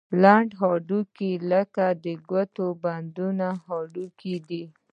لنډ هډوکي لکه د ګوتو د بندونو هډوکي دي.